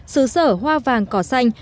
xứ sở hoa vàng cỏ xanh